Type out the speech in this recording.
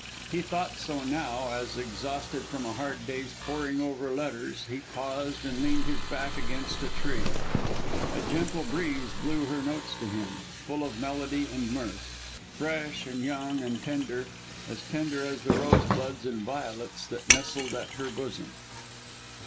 He thought so now, as exhausted from a hard day's poring over letters, he paused and leaned his back against a tree. A gentle breeze blew her notes to him, full of melody and mirth; fresh and young and tender as tender as the rosebuds and violets that nestled at her bosom.